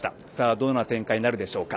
どのような展開になるでしょうか。